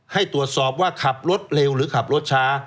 ให้ตรวจสอบว่าขับรถเร็วหรือขับรถช้า